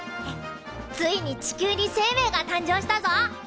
ついに地球に生命が誕生したぞ！